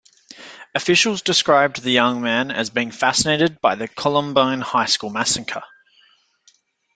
Officials described the young man as being fascinated by the Columbine High School massacre.